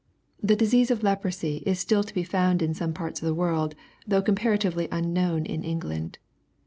The disease of leprosy is still to be found in some parts of the world, though comparatively unknown in England.